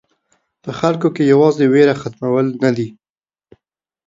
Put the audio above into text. په خلکو کې یوازې وېره ختمول نه دي.